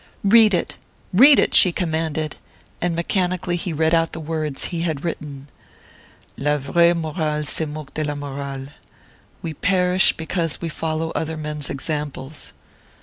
"Read it read it!" she commanded; and mechanically he read out the words he had written. "_La vraie morale se moque de la morale.... We perish because we follow other men's examples....